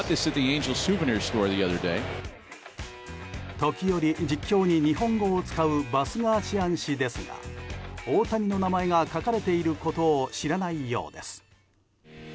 時折、実況に日本語を使うバスガーシアン氏ですが大谷の名前が書かれていることを知らないようです。